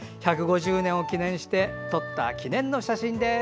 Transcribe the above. １５０年を記念して撮った記念の写真です。